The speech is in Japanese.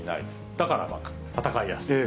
だから戦いやすいと。